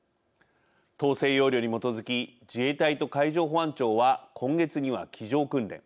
統制要領に基づき自衛隊と海上保安庁は今月には机上訓練